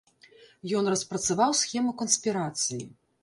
Ён распрацаваў схему канспірацыі.